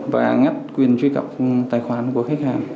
và ngắt quyền truy cập tài khoản của khách hàng